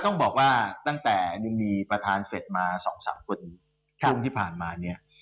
ต้องบอกว่าตั้งแต่มีประธานเฟจมาสองสามคุ้นที่ผ่านมา